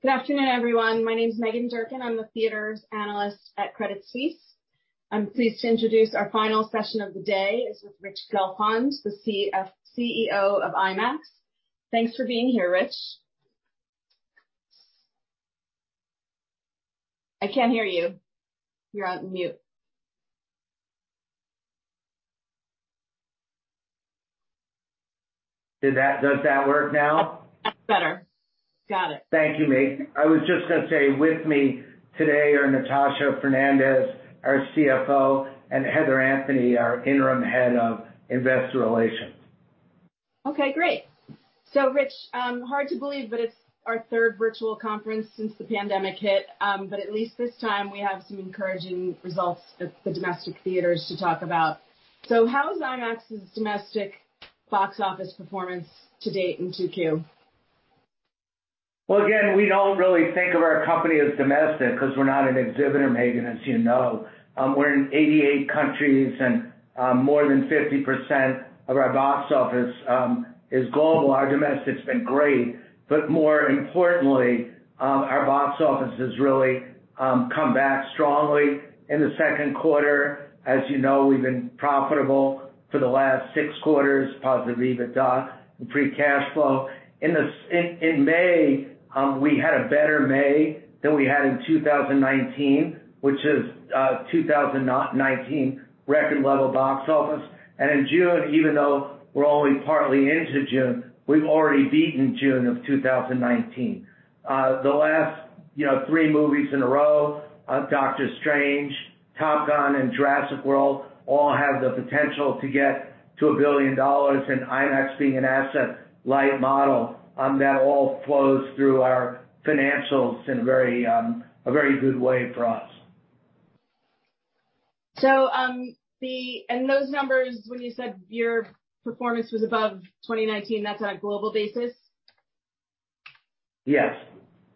Good afternoon, everyone. My name is Meghan Durkin. I'm the theaters analyst at Credit Suisse. I'm pleased to introduce our final session of the day. It's with Rich Gelfond, the CEO of IMAX. Thanks for being here, Rich. I can't hear you. You're on mute. Does that work now? That's better. Got it. Thank you, Meg. I was just going to say, with me today are Natasha Fernandes, our CFO, and Heather Anthony, our Interim Head of Investor Relations. Okay, great. So, Rich, hard to believe, but it's our third virtual conference since the pandemic hit. But at least this time, we have some encouraging results that the domestic theaters to talk about. So how is IMAX's domestic box office performance to date in Q2? Again, we don't really think of our company as domestic because we're not an exhibitor, Meghan, as you know. We're in 88 countries, and more than 50% of our box office is global. Our domestic's been great, but more importantly, our box office has really come back strongly in the second quarter. As you know, we've been profitable for the last six quarters, positive EBITDA and free cash flow. In May, we had a better May than we had in 2019, which is 2019 record-level box office, and in June, even though we're only partly into June, we've already beaten June of 2019. The last three movies in a row, Doctor Strange, Top Gun, and Jurassic World, all have the potential to get to a billion dollars, and IMAX being an asset-light model, that all flows through our financials in a very good way for us. Those numbers, when you said your performance was above 2019, that's on a global basis? Yes.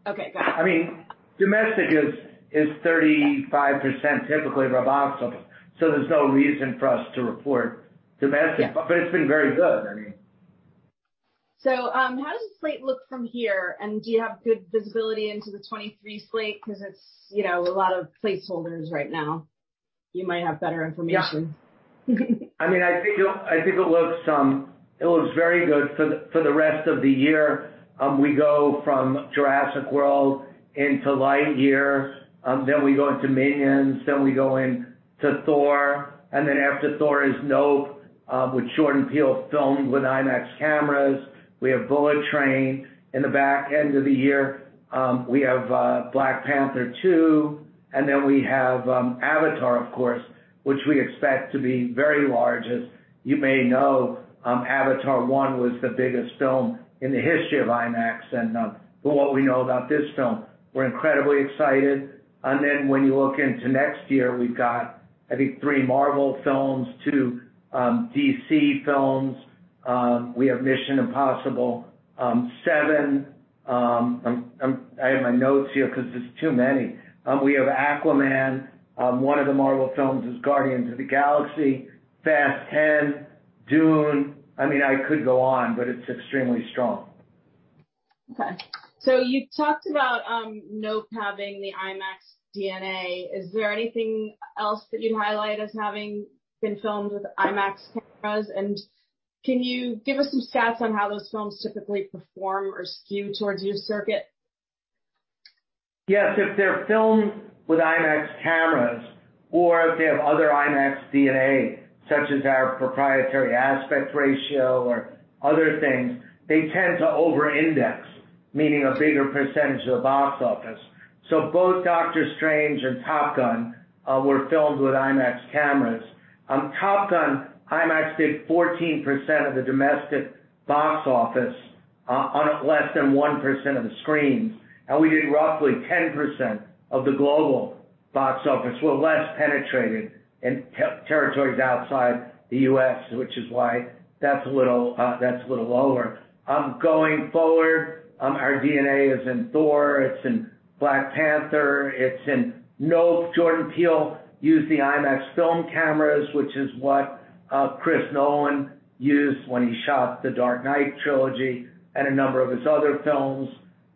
Okay, got it. I mean, domestic is 35% typically of our box office. So there's no reason for us to report domestic. But it's been very good, I mean. So how does the slate look from here? And do you have good visibility into the 2023 slate? Because it's a lot of placeholders right now. You might have better information. Yeah. I mean, I think it looks very good for the rest of the year. We go from Jurassic World into Lightyear. Then we go into Minions. Then we go into Thor. And then after Thor is Nope, which Jordan Peele filmed with IMAX cameras. We have Bullet Train. In the back end of the year, we have Black Panther 2. And then we have Avatar, of course, which we expect to be very large. As you may know, Avatar 1 was the biggest film in the history of IMAX. And from what we know about this film, we're incredibly excited. And then when you look into next year, we've got, I think, three Marvel films, two DC films. We have Mission: Impossible 7. I have my notes here because it's too many. We have Aquaman. One of the Marvel films is Guardians of the Galaxy. Fast X. Dune. I mean, I could go on, but it's extremely strong. Okay. So you talked about Nope having the IMAX DNA. Is there anything else that you'd highlight as having been filmed with IMAX cameras? And can you give us some stats on how those films typically perform or skew towards your circuit? Yes. If they're filmed with IMAX cameras or if they have other IMAX DNA, such as our proprietary aspect ratio or other things, they tend to over-index, meaning a bigger percentage of the box office. So both Doctor Strange and Top Gun were filmed with IMAX cameras. Top Gun, IMAX did 14% of the domestic box office on less than 1% of the screens. And we did roughly 10% of the global box office. We're less penetrated in territories outside the U.S., which is why that's a little lower. Going forward, our DNA is in Thor. It's in Black Panther. It's in Nope. Jordan Peele used the IMAX film cameras, which is what Chris Nolan used when he shot the Dark Knight trilogy and a number of his other films.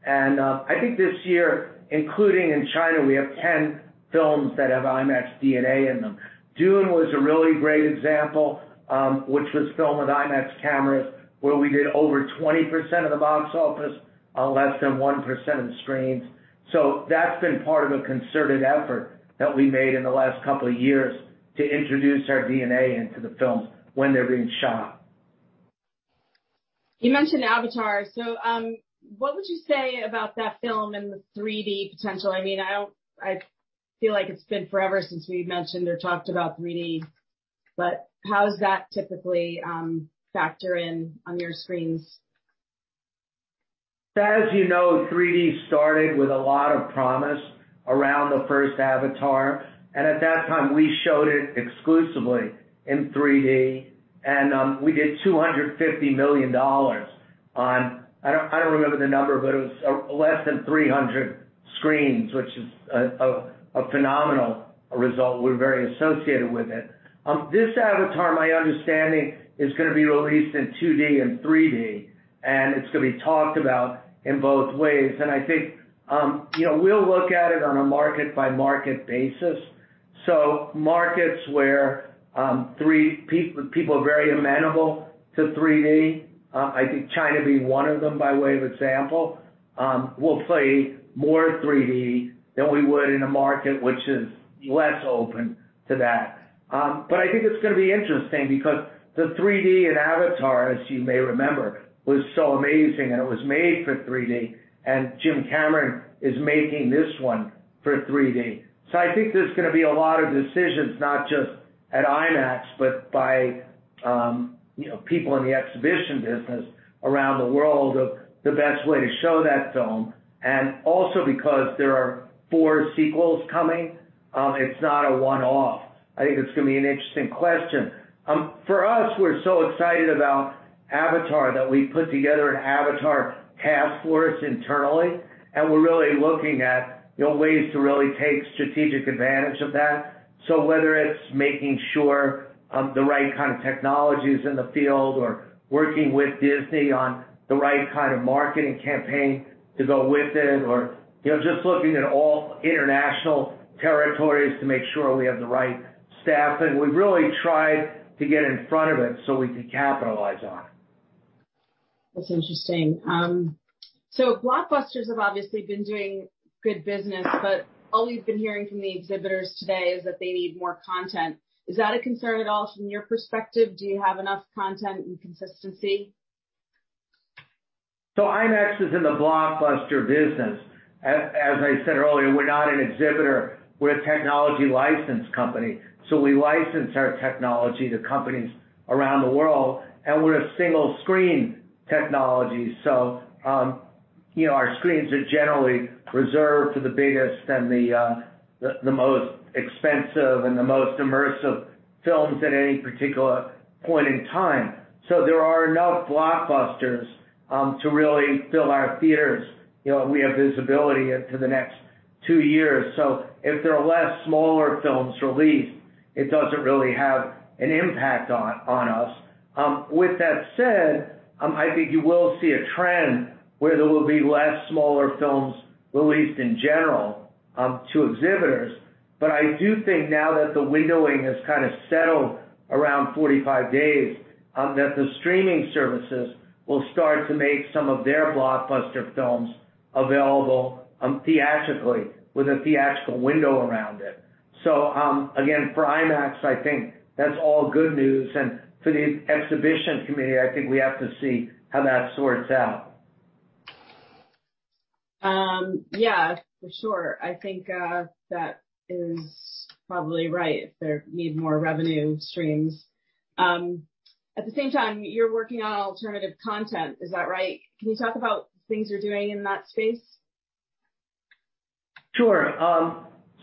And I think this year, including in China, we have 10 films that have IMAX DNA in them. Dune was a really great example, which was filmed with IMAX cameras, where we did over 20% of the box office, less than 1% of the screens. So that's been part of a concerted effort that we made in the last couple of years to introduce our DNA into the films when they're being shot. You mentioned Avatar. So what would you say about that film and the 3D potential? I mean, I feel like it's been forever since we mentioned or talked about 3D. But how does that typically factor in on your screens? As you know, 3D started with a lot of promise around the first Avatar, and at that time, we showed it exclusively in 3D. And we did $250 million. I don't remember the number, but it was less than 300 screens, which is a phenomenal result. We're very associated with it. This Avatar, my understanding, is going to be released in 2D and 3D, and it's going to be talked about in both ways. And I think we'll look at it on a market-by-market basis, so markets where people are very amenable to 3D, I think China being one of them by way of example, will play more 3D than we would in a market which is less open to that, but I think it's going to be interesting because the 3D in Avatar, as you may remember, was so amazing, and it was made for 3D. And Jim Cameron is making this one for 3D. So I think there's going to be a lot of decisions, not just at IMAX, but by people in the exhibition business around the world, of the best way to show that film. And also because there are four sequels coming, it's not a one-off. I think it's going to be an interesting question. For us, we're so excited about Avatar that we put together an Avatar task force internally. And we're really looking at ways to really take strategic advantage of that. So whether it's making sure the right kind of technologies in the field or working with Disney on the right kind of marketing campaign to go with it, or just looking at all international territories to make sure we have the right staffing. We've really tried to get in front of it so we can capitalize on it. That's interesting. So blockbusters have obviously been doing good business. But all we've been hearing from the exhibitors today is that they need more content. Is that a concern at all from your perspective? Do you have enough content and consistency? IMAX is in the blockbuster business. As I said earlier, we're not an exhibitor. We're a technology licensed company. We license our technology to companies around the world. And we're a single-screen technology. Our screens are generally reserved for the biggest and the most expensive and the most immersive films at any particular point in time. There are enough blockbusters to really fill our theaters. We have visibility into the next two years. If there are less smaller films released, it doesn't really have an impact on us. With that said, I think you will see a trend where there will be less smaller films released in general to exhibitors. But I do think now that the windowing has kind of settled around 45 days, that the streaming services will start to make some of their blockbuster films available theatrically with a theatrical window around it. So again, for IMAX, I think that's all good news. And for the exhibition community, I think we have to see how that sorts out. Yeah, for sure. I think that is probably right if they need more revenue streams. At the same time, you're working on alternative content. Is that right? Can you talk about things you're doing in that space? Sure,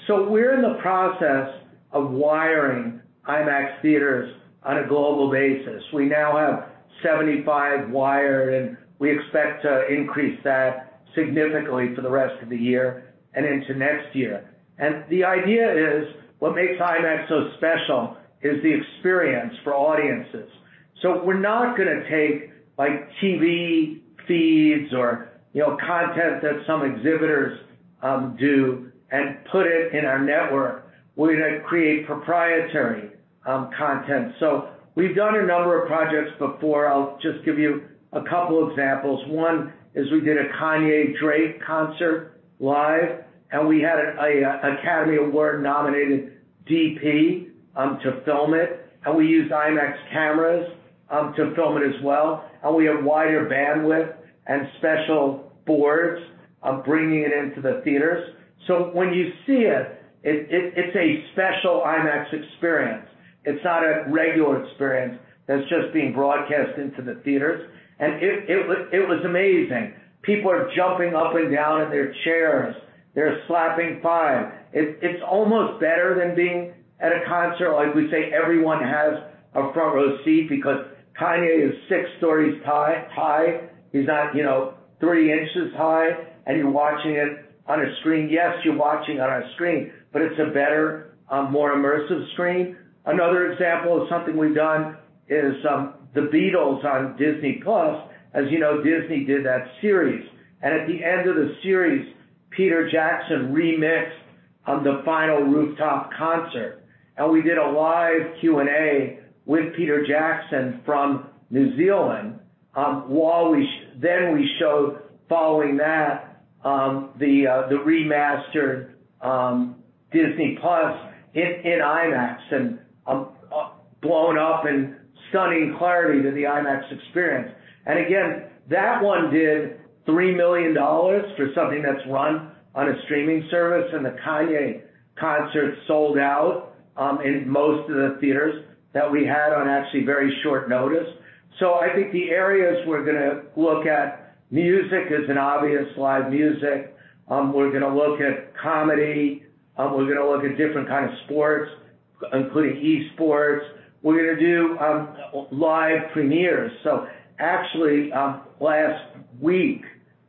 so we're in the process of wiring IMAX theaters on a global basis. We now have 75 wired, and we expect to increase that significantly for the rest of the year and into next year, and the idea is what makes IMAX so special is the experience for audiences, so we're not going to take TV feeds or content that some exhibitors do and put it in our network. We're going to create proprietary content, so we've done a number of projects before. I'll just give you a couple of examples. One is we did a Kanye and Drake concert live, and we had an Academy Award-nominated DP to film it, and we used IMAX cameras to film it as well, and we have wider bandwidth and special boards bringing it into the theaters, so when you see it, it's a special IMAX experience. It's not a regular experience that's just being broadcast into the theaters. And it was amazing. People are jumping up and down in their chairs. They're high-fiving. It's almost better than being at a concert like we say everyone has a front-row seat because Kanye is six stories high. He's not three inches high. And you're watching it on a screen. Yes, you're watching on our screen. But it's a better, more immersive screen. Another example of something we've done is The Beatles on Disney+. As you know, Disney did that series. And at the end of the series, Peter Jackson remixed the final rooftop concert. And we did a live Q&A with Peter Jackson from New Zealand. Then we showed following that the remastered Disney+ in IMAX and blown up and stunning clarity to the IMAX experience. And again, that one did $3 million for something that's run on a streaming service. And the Kanye concert sold out in most of the theaters that we had on actually very short notice. So I think the areas we're going to look at—music is obvious: live music. We're going to look at comedy. We're going to look at different kinds of sports, including esports. We're going to do live premieres. So actually, last week,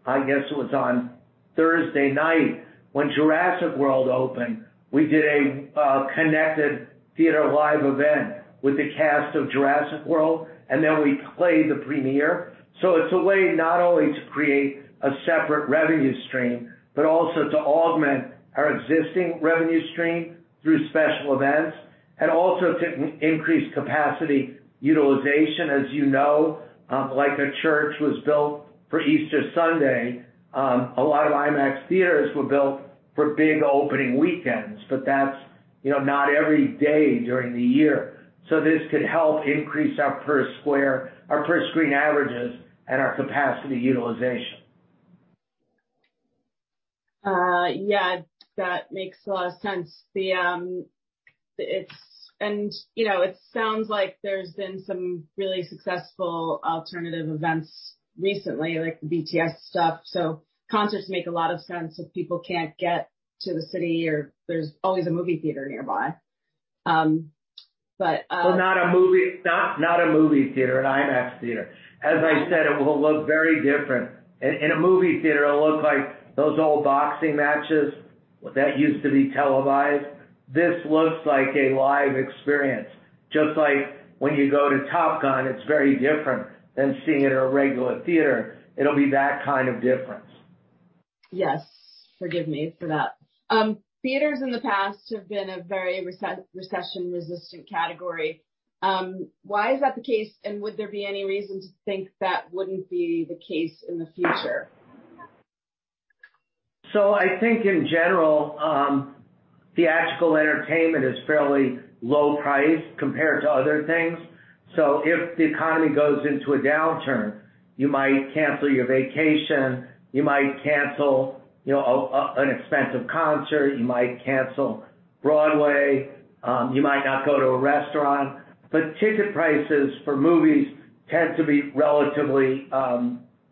I guess it was on Thursday night, when Jurassic World opened, we did a connected theater live event with the cast of Jurassic World. And then we played the premiere. So it's a way not only to create a separate revenue stream, but also to augment our existing revenue stream through special events and also to increase capacity utilization. As you know, like a church was built for Easter Sunday, a lot of IMAX theaters were built for big opening weekends. But that's not every day during the year. So this could help increase our per-screen averages and our capacity utilization. Yeah, that makes a lot of sense. And it sounds like there's been some really successful alternative events recently, like the BTS stuff. So concerts make a lot of sense if people can't get to the city or there's always a movie theater nearby. But not in a movie theater, in an IMAX theater. As I said, it will look very different. In a movie theater, it'll look like those old boxing matches that used to be televised. This looks like a live experience. Just like when you go to Top Gun, it's very different than seeing it in a regular theater. It'll be that kind of difference. Yes. Forgive me for that. Theaters in the past have been a very recession-resistant category. Why is that the case? And would there be any reason to think that wouldn't be the case in the future? So I think in general, theatrical entertainment is fairly low-priced compared to other things. So if the economy goes into a downturn, you might cancel your vacation. You might cancel an expensive concert. You might cancel Broadway. You might not go to a restaurant. But ticket prices for movies tend to be relatively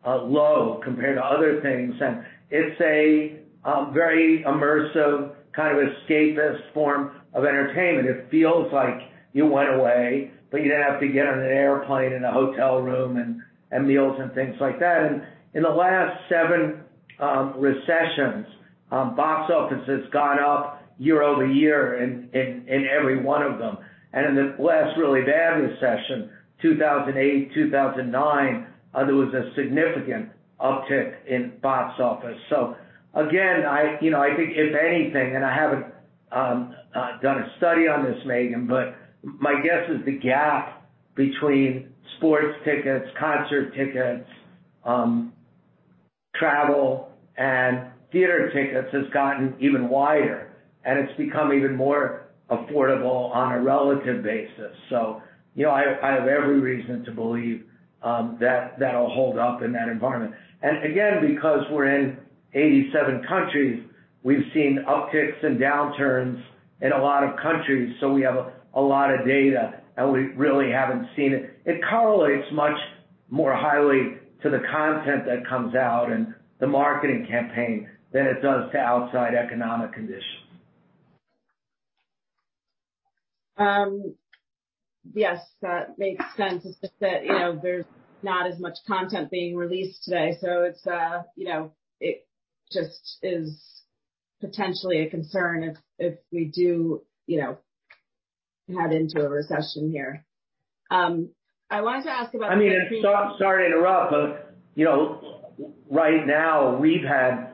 low compared to other things. And it's a very immersive kind of escapist form of entertainment. It feels like you went away, but you didn't have to get on an airplane in a hotel room and meals and things like that. And in the last seven recessions, box offices got up year-over-year in every one of them. And in the last really bad recession, 2008, 2009, there was a significant uptick in box office. So again, I think if anything, and I haven't done a study on this, Meghan, but my guess is the gap between sports tickets, concert tickets, travel, and theater tickets has gotten even wider. And it's become even more affordable on a relative basis. So I have every reason to believe that that'll hold up in that environment. And again, because we're in 87 countries, we've seen upticks and downturns in a lot of countries. So we have a lot of data. And we really haven't seen it. It correlates much more highly to the content that comes out and the marketing campaign than it does to outside economic conditions. Yes, that makes sense. It's just that there's not as much content being released today. So it just is potentially a concern if we do head into a recession here. I wanted to ask about. I mean, sorry to interrupt, but right now, we've had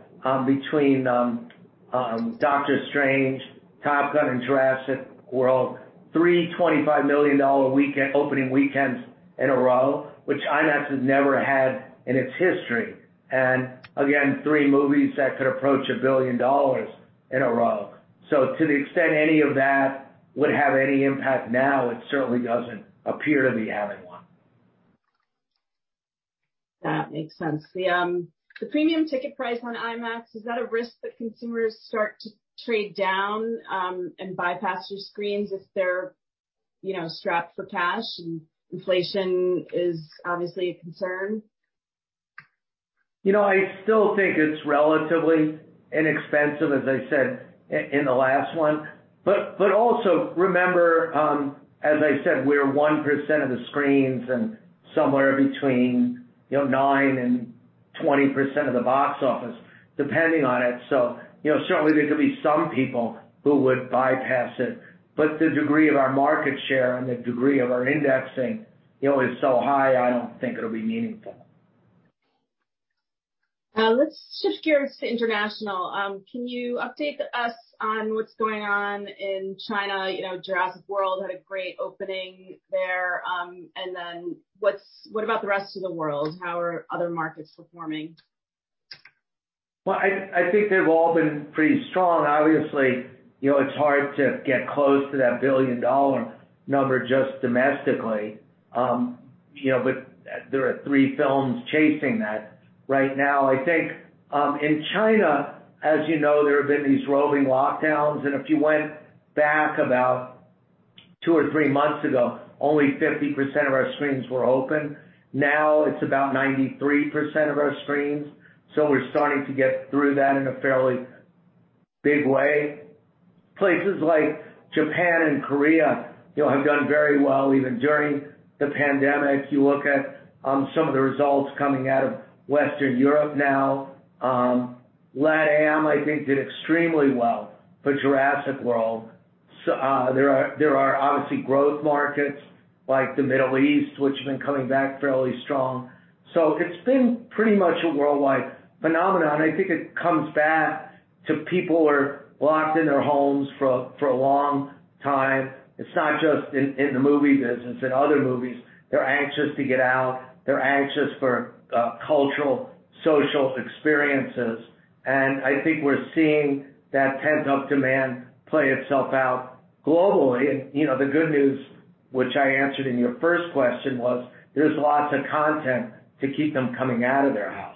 between Doctor Strange, Top Gun, and Jurassic World, three $25 million opening weekends in a row, which IMAX has never had in its history, and again, three movies that could approach a billion dollars in a row, so to the extent any of that would have any impact now, it certainly doesn't appear to be having one. That makes sense. The premium ticket price on IMAX, is that a risk that consumers start to trade down and bypass your screens if they're strapped for cash? And inflation is obviously a concern. I still think it's relatively inexpensive, as I said in the last one. But also remember, as I said, we're 1% of the screens and somewhere between 9% and 20% of the box office, depending on it. So certainly, there could be some people who would bypass it. But the degree of our market share and the degree of our indexing is so high, I don't think it'll be meaningful. Let's shift gears to international. Can you update us on what's going on in China? Jurassic World had a great opening there. And then what about the rest of the world? How are other markets performing? I think they've all been pretty strong. Obviously, it's hard to get close to that billion-dollar number just domestically. But there are three films chasing that right now. I think in China, as you know, there have been these roving lockdowns. And if you went back about two or three months ago, only 50% of our screens were open. Now it's about 93% of our screens. So we're starting to get through that in a fairly big way. Places like Japan and Korea have done very well even during the pandemic. You look at some of the results coming out of Western Europe now. LATAM, I think, did extremely well for Jurassic World. There are obviously growth markets like the Middle East, which have been coming back fairly strong. So it's been pretty much a worldwide phenomenon. I think it comes back to people who are locked in their homes for a long time. It's not just in the movie business. In other movies, they're anxious to get out. They're anxious for cultural, social experiences, and I think we're seeing that pent-up demand play itself out globally, and the good news, which I answered in your first question, was there's lots of content to keep them coming out of their house.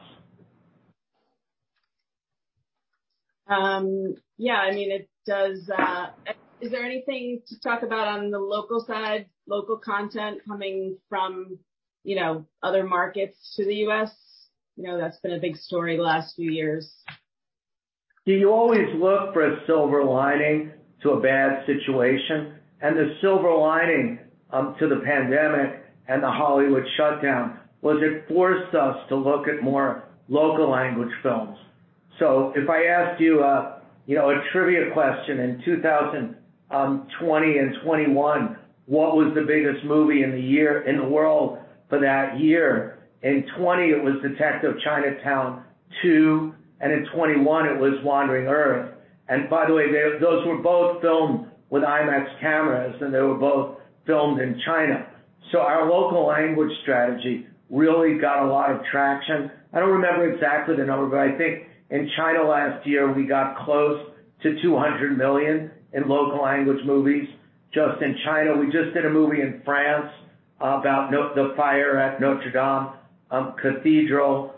Yeah. I mean, it does. Is there anything to talk about on the local side, local content coming from other markets to the U.S.? That's been a big story the last few years. You always look for a silver lining to a bad situation. And the silver lining to the pandemic and the Hollywood shutdown was it forced us to look at more local language films. So if I asked you a trivia question in 2020 and 2021, what was the biggest movie in the world for that year? In 2020, it was Detective Chinatown 2. And in 2021, it was Wandering Earth. And by the way, those were both filmed with IMAX cameras. And they were both filmed in China. So our local language strategy really got a lot of traction. I don't remember exactly the number. But I think in China last year, we got close to $200 million in local language movies just in China. We just did a movie in France about the fire at Notre Dame Cathedral.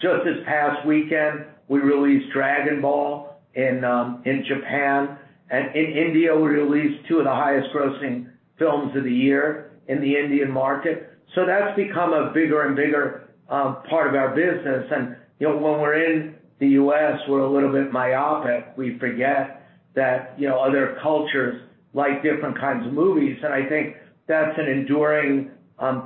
Just this past weekend, we released Dragon Ball in Japan. And in India, we released two of the highest-grossing films of the year in the Indian market. So that's become a bigger and bigger part of our business. And when we're in the U.S., we're a little bit myopic. We forget that other cultures like different kinds of movies. And I think that's an enduring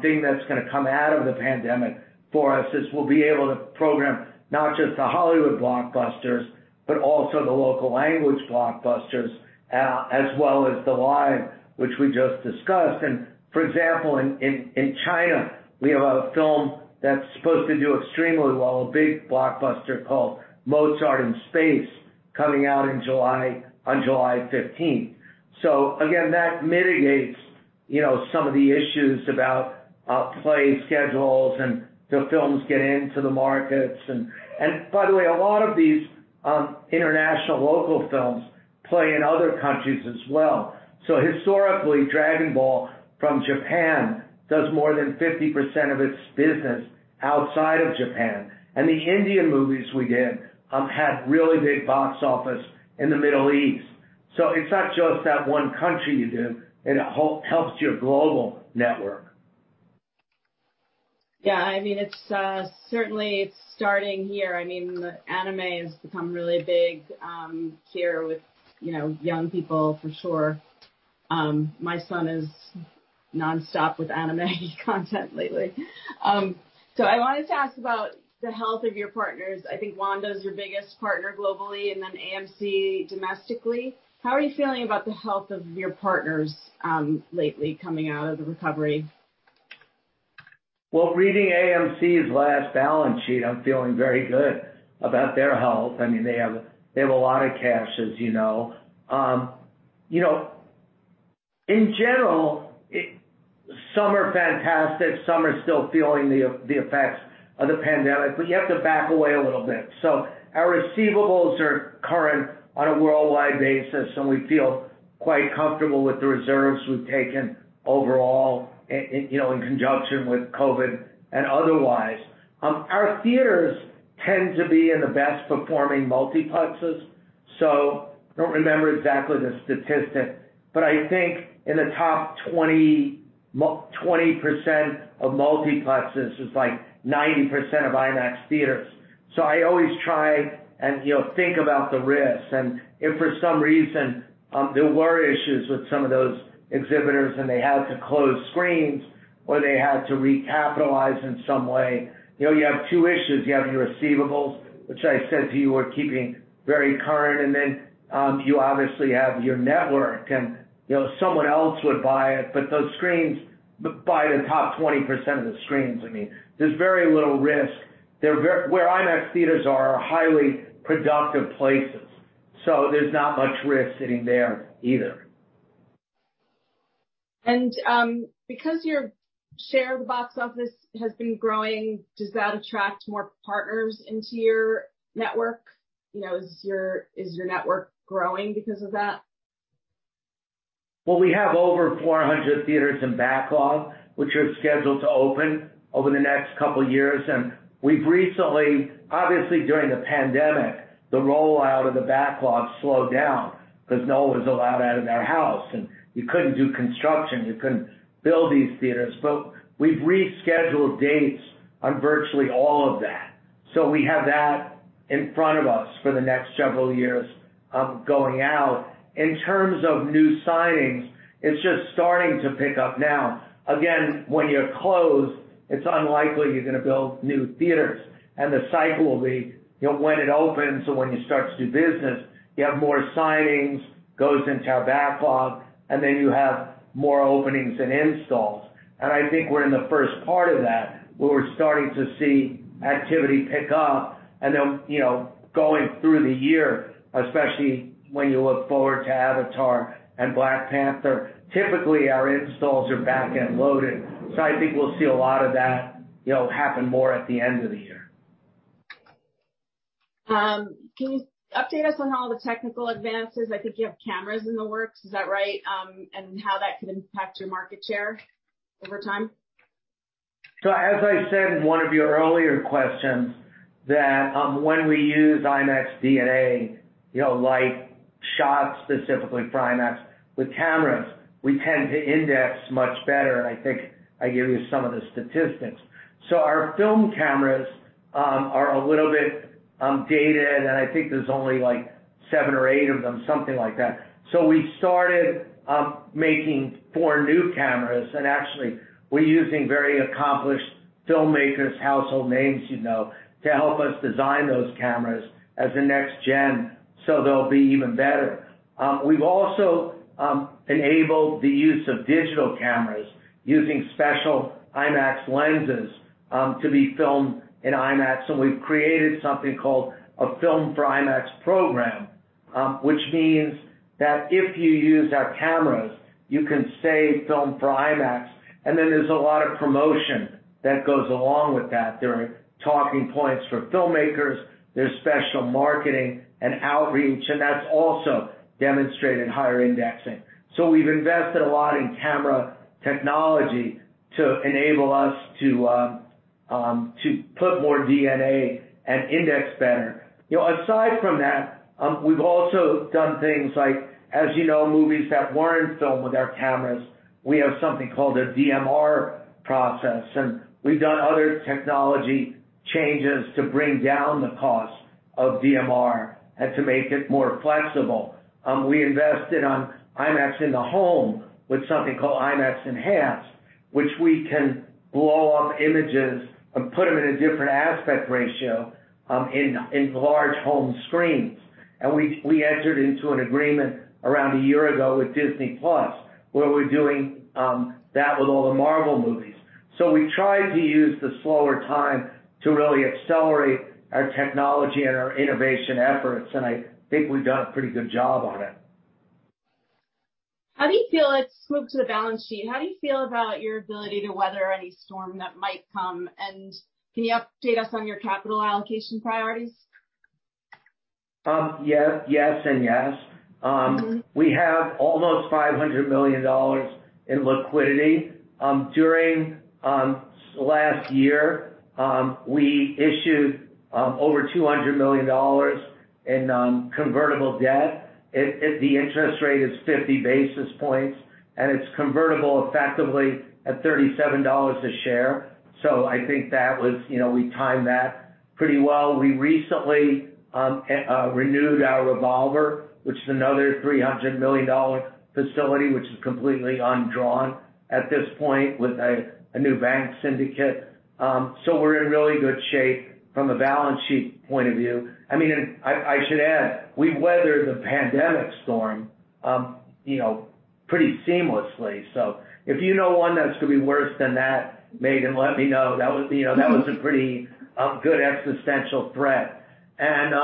thing that's going to come out of the pandemic for us is we'll be able to program not just the Hollywood blockbusters, but also the local language blockbusters, as well as the live, which we just discussed. And for example, in China, we have a film that's supposed to do extremely well, a big blockbuster called Mozart from Space, coming out on July 15th. So again, that mitigates some of the issues about play schedules and the films getting into the markets. By the way, a lot of these international local films play in other countries as well. So historically, Dragon Ball from Japan does more than 50% of its business outside of Japan. And the Indian movies we did had really big box office in the Middle East. So it's not just that one country you do. It helps your global network. Yeah. I mean, certainly, it's starting here. I mean, the anime has become really big here with young people, for sure. My son is nonstop with anime content lately. So I wanted to ask about the health of your partners. I think Wanda's your biggest partner globally and then AMC domestically. How are you feeling about the health of your partners lately coming out of the recovery? Reading AMC's last balance sheet, I'm feeling very good about their health. I mean, they have a lot of cash, as you know. In general, some are fantastic. Some are still feeling the effects of the pandemic. But you have to back away a little bit. So our receivables are current on a worldwide basis. And we feel quite comfortable with the reserves we've taken overall in conjunction with COVID and otherwise. Our theaters tend to be in the best-performing multiplexes. So I don't remember exactly the statistic. But I think in the top 20% of multiplexes, it's like 90% of IMAX theaters. So I always try and think about the risks. And if for some reason there were issues with some of those exhibitors and they had to close screens or they had to recapitalize in some way, you have two issues. You have your receivables, which I said to you were keeping very current, and then you obviously have your network. Someone else would buy it, but those screens buy the top 20% of the screens. I mean, there's very little risk. Where IMAX theaters are highly productive places, so there's not much risk sitting there either. Because your share of the box office has been growing, does that attract more partners into your network? Is your network growing because of that? We have over 400 theaters in backlog, which are scheduled to open over the next couple of years. We've recently, obviously during the pandemic, the rollout of the backlog slowed down because no one was allowed out of their house. You couldn't do construction. You couldn't build these theaters. We've rescheduled dates on virtually all of that. We have that in front of us for the next several years going out. In terms of new signings, it's just starting to pick up now. Again, when you're closed, it's unlikely you're going to build new theaters. The cycle will be when it opens or when you start to do business, you have more signings go into our backlog. Then you have more openings and installs. I think we're in the first part of that where we're starting to see activity pick up. And then, going through the year, especially when you look forward to Avatar and Black Panther, typically our installs are back-loaded. So I think we'll see a lot of that happen more at the end of the year. Can you update us on how the technical advances? I think you have cameras in the works. Is that right, and how that could impact your market share over time? As I said in one of your earlier questions, that when we use IMAX DNA, like shots specifically for IMAX with cameras, we tend to index much better. And I think I gave you some of the statistics. Our film cameras are a little bit dated. And I think there's only like seven or eight of them, something like that. We started making four new cameras. And actually, we're using very accomplished filmmakers, household names, you know, to help us design those cameras as a next gen. So they'll be even better. We've also enabled the use of digital cameras using special IMAX lenses to be Filmed for IMAX. And we've created something called the Filmed for IMAX program, which means that if you use our cameras, you can save Filmed for IMAX. And then there's a lot of promotion that goes along with that. There are talking points for filmmakers. There's special marketing and outreach, and that's also demonstrated higher indexing. We've invested a lot in camera technology to enable us to put more DNA and index better. Aside from that, we've also done things like, as you know, movies that weren't filmed with our cameras. We have something called a DMR process. We've done other technology changes to bring down the cost of DMR and to make it more flexible. We invested in IMAX in the home with something called IMAX Enhanced, which we can blow up images and put them in a different aspect ratio in large home screens. We entered into an agreement around a year ago with Disney+ where we're doing that with all the Marvel movies. We tried to use the slower time to really accelerate our technology and our innovation efforts. I think we've done a pretty good job on it. How do you feel it's moved to the balance sheet? How do you feel about your ability to weather any storm that might come? And can you update us on your capital allocation priorities? Yes and yes. We have almost $500 million in liquidity. During last year, we issued over $200 million in convertible debt. The interest rate is 50 basis points, and it's convertible effectively at $37 a share, so I think that we timed that pretty well. We recently renewed our revolver, which is another $300 million facility, which is completely undrawn at this point with a new bank syndicate, so we're in really good shape from a balance sheet point of view. I mean, I should add, we weathered the pandemic storm pretty seamlessly, so if you know one that's going to be worse than that, Meghan, let me know. That was a pretty good existential threat, and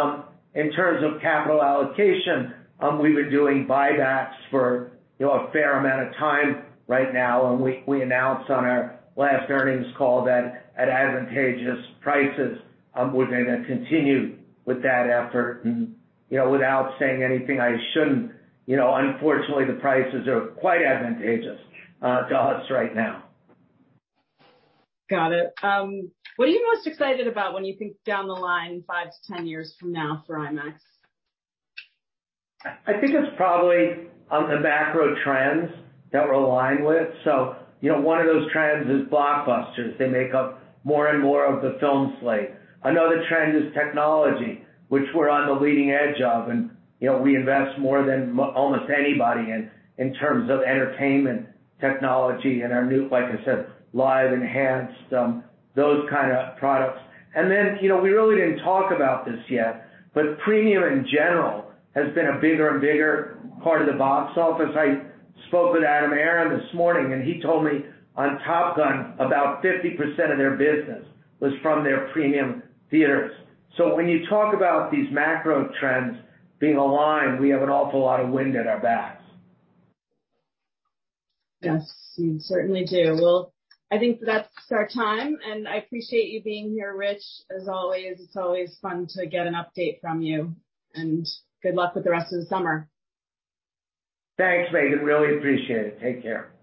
in terms of capital allocation, we've been doing buybacks for a fair amount of time right now. We announced on our last earnings call that at advantageous prices, we're going to continue with that effort. Without saying anything, I shouldn't. Unfortunately, the prices are quite advantageous to us right now. Got it. What are you most excited about when you think down the line five to 10 years from now for IMAX? I think it's probably the macro trends that we're aligned with. So one of those trends is blockbusters. They make up more and more of the film slate. Another trend is technology, which we're on the leading edge of. And we invest more than almost anybody in terms of entertainment technology and our new, like I said, live enhanced, those kind of products. And then we really didn't talk about this yet. But premium in general has been a bigger and bigger part of the box office. I spoke with Adam Aron this morning. And he told me on Top Gun about 50% of their business was from their premium theaters. So when you talk about these macro trends being aligned, we have an awful lot of wind at our backs. Yes. You certainly do. Well, I think that's our time. And I appreciate you being here, Rich, as always. It's always fun to get an update from you. And good luck with the rest of the summer. Thanks, Meghan. Really appreciate it. Take care.